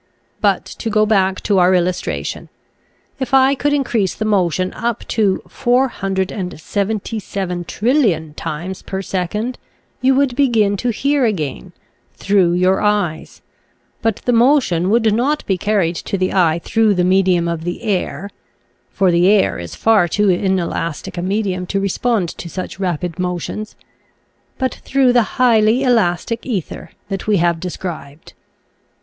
But to go back to our illustration. If I could increase the motion up to 477,000,000, 000,000 times per second you would begin to hear again, through your eyes, but the mo tion would not be carried to the eye through the medium of the air — for the air is far too inelastic a medium to respond to such rapid motions — but through the highly elastic ether that we have described.